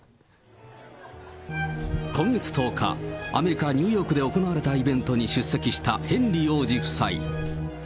今月１０日、アメリカ・ニューヨークで行われたイベントに出席したヘンリー王子夫妻。